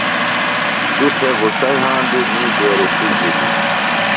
توۡ تھےۡ غصہ یھاندُوۡ می بے رُخیۡ جُھلیۡ۔